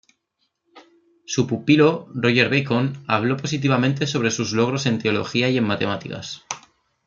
Su pupilo Roger Bacon, habló positivamente sobre sus logros en teología y en matemáticas.